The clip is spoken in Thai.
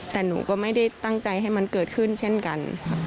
แต่หนูก็ไม่ได้ตั้งใจให้มันเกิดขึ้นเช่นกัน